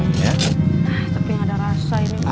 tapi yang ada rasa ini